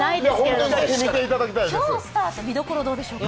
今日スタート、見どころどうでしょうか？